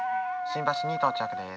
新橋に到着です。